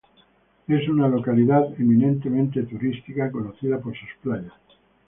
Es una localidad eminentemente turística, conocida por sus playas.